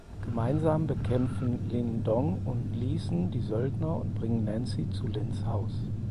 Gemeinsam bekämpfen Lin Dong und Leeson die Söldner und bringen Nancy zu Lins Haus.